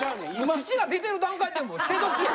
乳が出てる段階でもう捨て時や。